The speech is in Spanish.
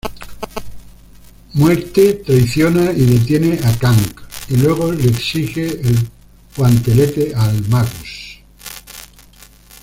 Muerte traiciona y detiene a Kang, y luego le exige el guantelete al Magus.